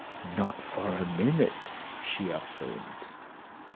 "Not for a minute," she affirmed.